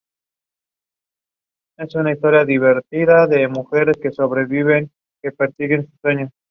Por ella circulan diariamente miles de vehículos ligeros y pesados con destino al extranjero.